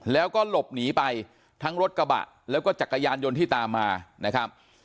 แล้วก็หลบหนีไปทั้งรถกระบะแล้วก็จักรยานยนต์ที่ตามมานะครับ